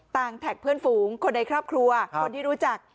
แท็กเพื่อนฝูงคนในครอบครัวคนที่รู้จัก